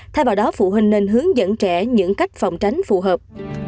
thay vào đó phụ huynh nên hướng dẫn trẻ những cách phòng tránh phù hợp